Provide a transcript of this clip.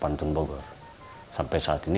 banten bogor sampai saat ini